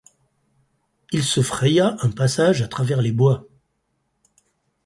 Il se fraya un passage à travers les bois.